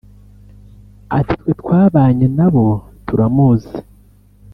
ati twe twabanye nabo turamuzi